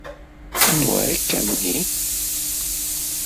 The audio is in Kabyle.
Anwa-k, a mmi?